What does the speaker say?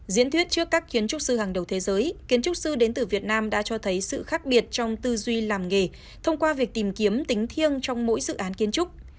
diễn thuyết trước các kiến trúc sư hàng đầu thế giới kiến trúc sư đến từ việt nam đã cho thấy sự khác biệt trong tư duy làm nghề thông qua việc tìm kiếm tính thiêng trong mỗi dự án kiến trúc